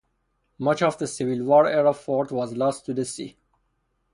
Much of the civil war era fort was lost to the sea.